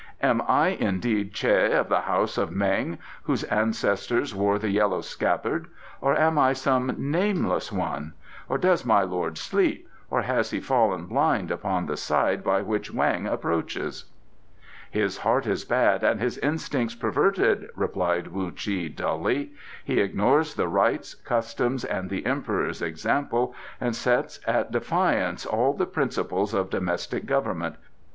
Am I indeed Che of the house of Meng, whose ancestors wore the Yellow Scabbard, or am I some nameless one? Or does my lord sleep, or has he fallen blind upon the side by which Weng approaches?" "His heart is bad and his instincts perverted," replied Wu Chi dully. "He ignores the rites, custom, and the Emperor's example, and sets at defiance all the principles of domestic government.